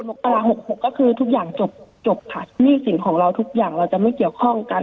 มกราหกหกก็คือทุกอย่างจบจบค่ะหนี้สินของเราทุกอย่างเราจะไม่เกี่ยวข้องกัน